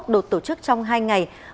đột tổ chức trong hai ngày